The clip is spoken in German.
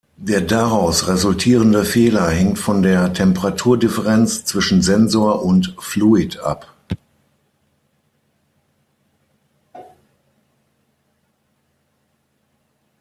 Der daraus resultierende Fehler hängt von der Temperaturdifferenz zwischen Sensor und Fluid ab.